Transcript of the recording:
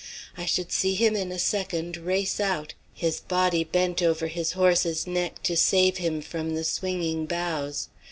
I should see him in a second race out, his body bent over his horse's neck to save him from the swinging boughs.